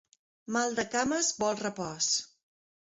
Mal de cames vol repòs.